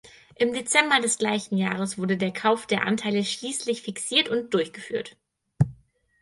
Im Dezember des gleichen Jahres wurde der Kauf der Anteile schließlich fixiert und durchgeführt.